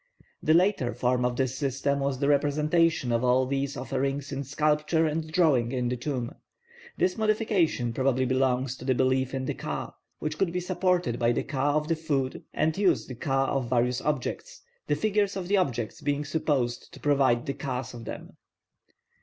The later form of this system was the representation of all these offerings in sculpture and drawing in the tomb. This modification probably belongs to the belief in the ka, which could be supported by the ka of the food and use the ka of the various objects, the figures of the objects being supposed to provide the kas of them.